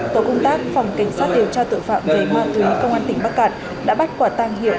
tổ công tác phòng cảnh sát điều tra tội phạm về ma túy công an tỉnh bắc cạn đã bắt quả tàng hiệu